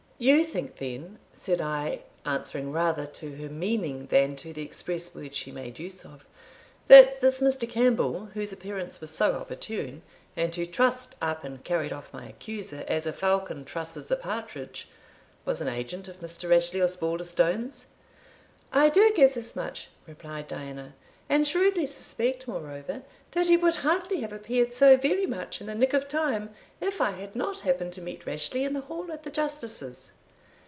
"You think, then," said I, answering rather to her meaning, than to the express words she made use of, "that this Mr. Campbell, whose appearance was so opportune, and who trussed up and carried off my accuser as a falcon trusses a partridge, was an agent of Mr. Rashleigh Osbaldistone's?" "I do guess as much," replied Diana; "and shrewdly suspect, moreover, that he would hardly have appeared so very much in the nick of time, if I had not happened to meet Rashleigh in the hall at the Justice's."